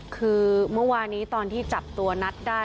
คือเมื่อวานี้ตอนที่จับตัวนัทได้